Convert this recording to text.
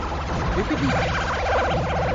Hepiniz mi?